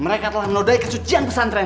mereka telah menodai kesucian pesantren